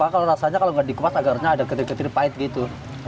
kalau rasanya kalau nggak dikupas agak harusnya ada ketir ketir pahit gitu